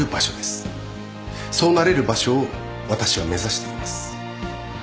そうなれる場所を私は目指しています。